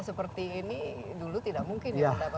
seperti ini dulu tidak mungkin ya